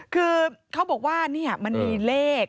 คือเขาบอกว่านี่มันมีเลข